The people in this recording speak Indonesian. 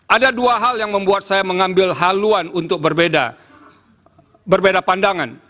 ada dua hal yang membuat saya mengambil haluan untuk berbeda pandangan